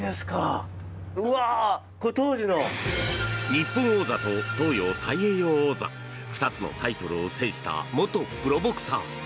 日本王座と東洋太平洋王座２つのタイトルを制した元プロボクサー。